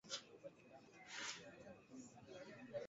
Ongeza vitunguu swaumu vikifuatiwa na kitunguu na pilau masala